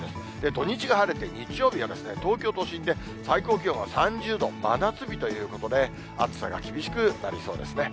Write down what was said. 土日が晴れて日曜日が東京都心で最高気温が３０度、真夏日ということで、暑さが厳しくなりそうですね。